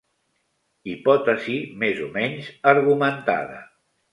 Hipòtesi més o menys argumentada.